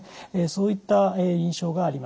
そういった印象があります。